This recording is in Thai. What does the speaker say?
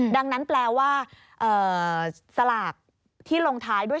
ดังนั้นแปลว่าสลากที่ลงท้ายด้วย